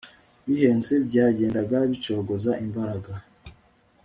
bihenze byagendaga bicogoza imbaraga